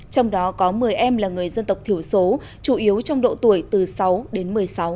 trong đó có một mươi em là người dân tộc thiểu số chủ yếu trong độ tuổi từ sáu đến một mươi sáu